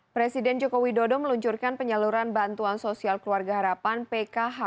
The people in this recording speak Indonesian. presiden joko widodo meluncurkan penyaluran bantuan sosial keluarga harapan pkh